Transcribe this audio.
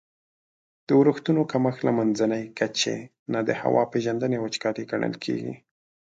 د اورښتونو کمښت له منځني کچي نه د هوا پیژندني وچکالي ګڼل کیږي.